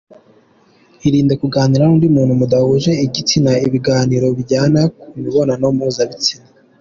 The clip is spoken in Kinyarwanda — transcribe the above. Irinde kuganira n’undi muntu mudahuje igitsina ibiganiro bijyana ku mibonano mpuzabitsina.